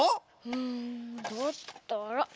うんだったら。